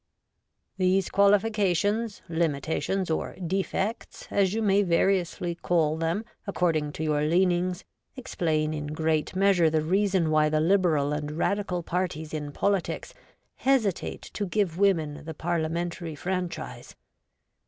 These qualifications, limitations, or defects, as you may variously call them, according to your leanings, explain in great measure the reason why the Liberal and Radical parties in politics hesitate to give women the Parliamentary franchise.